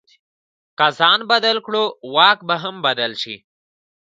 که ځان بدل کړو، واک به هم بدل شي.